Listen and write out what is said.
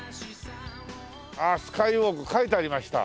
ああスカイウォーク書いてありました。